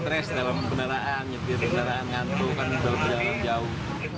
nggak stres dalam kendaraan nyetir kendaraan ngantuk karena kita berjalan jauh